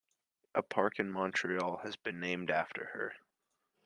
A park in Montreal has been named after her.